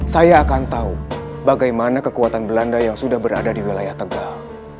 saya akan tahu bagaimana kekuatan belanda yang sudah berada di wilayah tegal